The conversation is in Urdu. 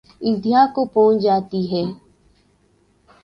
انتہا کو پہنچ جاتی ہے